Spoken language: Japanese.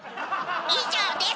以上です。